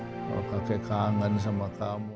kakek kangen sama kamu